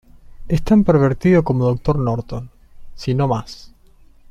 Es tan pervertido como Dr. Norton, si no más.